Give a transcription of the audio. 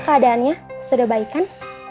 gimana keadaannya sudah baik kan